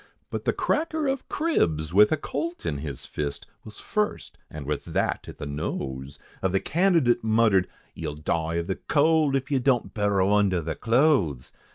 But the cracker of cribs, with a colt in his fist, Was first, and with that at the nose Of the candidate, muttered "You'll die of the cold, If you don't burrow under the clothes!